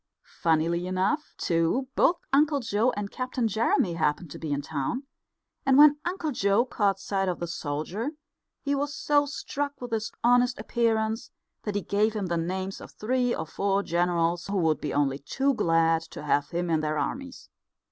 Funnily enough, too, both Uncle Joe and Captain Jeremy happened to be in town; and when Uncle Joe caught sight of the soldier he was so struck with his honest appearance that he gave him the names of three or four generals who would be only too glad to have him in their armies.